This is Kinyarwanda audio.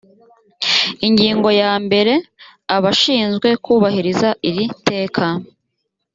ingingo ya mbere abashinzwe kubahiriza iri teka